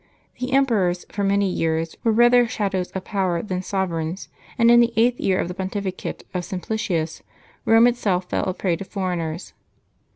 The emperors for many years were rather shadows of power than sov ereigns, and, in the eighth year of the pontificate of Simplicius, Eome itself fell a prey to foreigners.